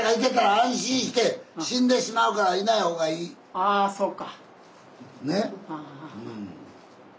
ああそうか。